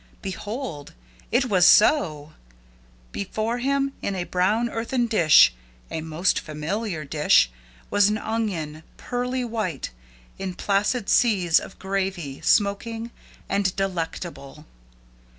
Behold, it was so! Before him, in a brown earthen dish, a most familiar dish, was an onion, pearly white, in placid seas of gravy, smoking and delectable.